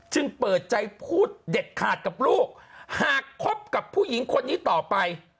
เปิดใจพูดเด็ดขาดกับลูกหากคบกับผู้หญิงคนนี้ต่อไป